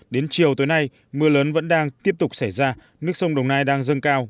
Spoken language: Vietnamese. đến chiều tối nay mưa lớn vẫn đang tiếp tục xảy ra nước sông đồng nai đang dâng cao